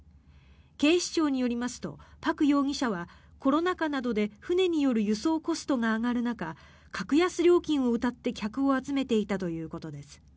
警視庁によりますとパク容疑者はコロナ禍などで船による輸送コストが上がる中格安料金をうたって客を集めていたということです。